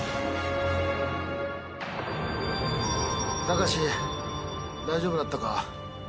タカシ大丈夫だったか？